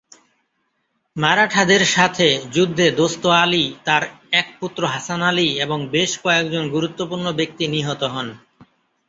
মারাঠাদের সাথে যুদ্ধে দোস্ত আলি, তার এক পুত্র হাসান আলি এবং বেশ কয়েকজন গুরুত্বপূর্ণ ব্যক্তি নিহত হন।